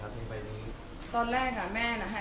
แล้วพี่กำลังมา